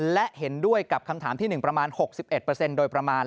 และเห็นด้วยกับคำถามที่๑ประมาณ๖๑เปอร์เซ็นต์โดยประมาณ